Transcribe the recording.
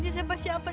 ibu salah sangka